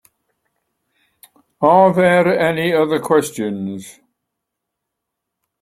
Are there any other questions?